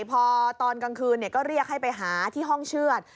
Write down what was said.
พอตอนกลางคืนก็เรียกให้ไปหาที่ห้องเชือด